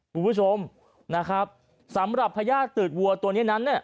คุณผู้ชมสำหรับพญาติตืดวัวตัวนี้นั้น